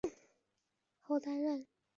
后担任琼州教授。